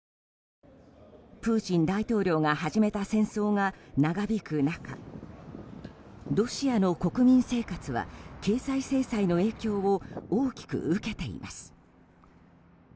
プーチン大統領が始めた戦争が長引く中ロシアの国民生活は経済制裁の影響を大きく受けています。